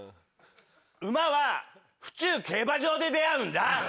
ウマは府中競馬場で出合うんだ。